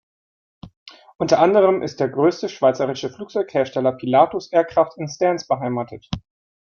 Unter anderem ist der grösste schweizerische Flugzeughersteller Pilatus Aircraft in Stans beheimatet.